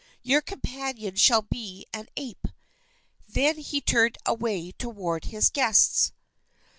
Your companion shall be an ape." Then he turned away toward his guests.